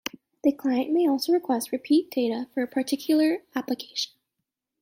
The client may also request repeat data for a particular application.